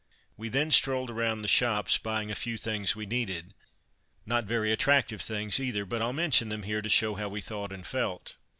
We then strolled around the shops, buying a few things we needed. Not very attractive things either, but I'll mention them here to show how we thought and felt.